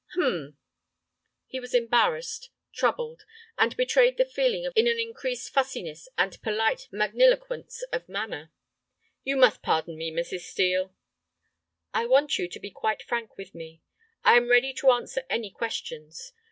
"Hum!" He was embarrassed, troubled, and betrayed the feeling in an increased fussiness and polite magniloquence of manner. "You must pardon me, Mrs. Steel." "I want you to be quite frank with me. I am ready to answer any questions.